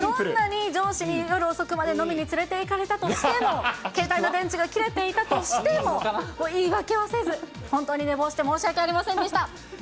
もうね、どんなに上司に夜遅くまで飲みに連れていかれたとしても、携帯の電池が切れていたとしても、もう言い訳はせず、本当に、寝坊して申し訳ありませんでした。